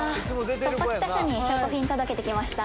突破北署に証拠品届けて来ました。